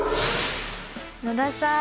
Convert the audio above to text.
野田さん